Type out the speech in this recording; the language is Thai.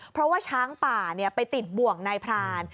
เพราะว่าช้างป่าไปติดบ่วงนายพราน